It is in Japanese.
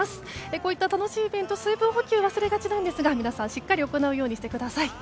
こういった楽しいイベントは水分補給を忘れがちですが皆さんしっかり行うようにしてください。